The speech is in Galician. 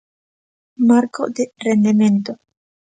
Marco de rendemento.